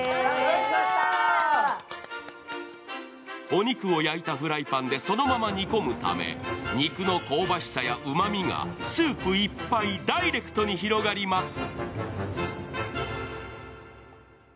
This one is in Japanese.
お肉を焼いたフライパンでそのまま煮込むため肉の香ばしさやうまみがスープいっぱいダイレクトに広がります。